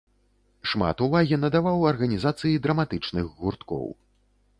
Шмат увагі надаваў арганізацыі драматычных гурткоў.